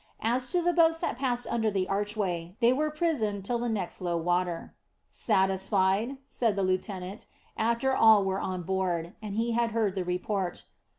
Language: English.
As to the boats that passed under the archway, they were prisoned till the next low water. "Satisfied?" said the lieutenant, after all were on board, and he had heard the report.